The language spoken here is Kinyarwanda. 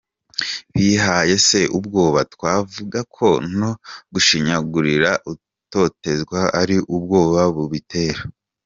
Bibaye se ubwoba, twavuga ko no gushinyagurira utotezwa ari ubwoba bubitera ?